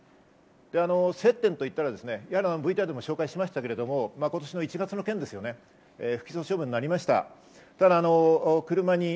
接点と言ったら、ＶＴＲでも紹介しましたが、今年の１月、不起訴処分になりました。